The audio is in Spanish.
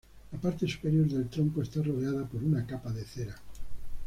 La parte superior del tronco está rodeado por una capa de cera.